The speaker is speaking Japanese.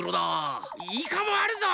イカもあるぞ！